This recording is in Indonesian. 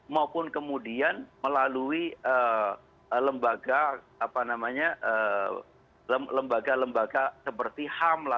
maupun kemudian melalui lembaga lembaga seperti ham